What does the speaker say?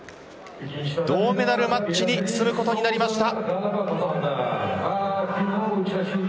銅メダルマッチに進むことになりました。